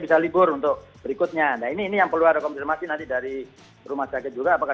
bisa libur untuk berikutnya nah ini ini yang perlu ada konfirmasi nanti dari rumah sakit juga apakah